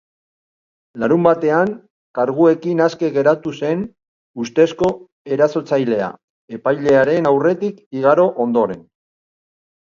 Larunbatean karguekin aske geratu zen ustezko erasotzailea, epailearen aurretik igaro ondoren.